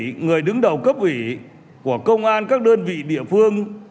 cấp ủy người đứng đầu cấp ủy của công an các đơn vị địa phương